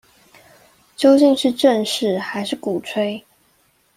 究竟是正視還是鼓吹